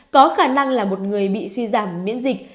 có khả năng là một người bị suy giảm miễn dịch